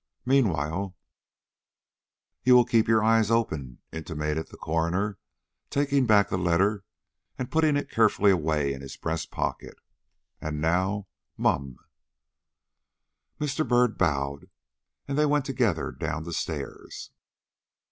Meanwhile " "You will keep your eyes open," intimated the coroner, taking back the letter and putting it carefully away in his breast pocket. "And now, mum!" Mr. Byrd bowed, and they went together down the stairs.